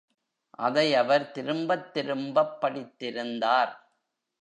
அதை அவர் திரும்பத் திரும்பப் படித்திருந்தார்.